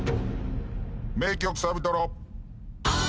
名曲サビトロ。